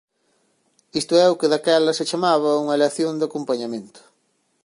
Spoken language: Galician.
Isto é o que daquela se chamaba unha lección de acompañamento.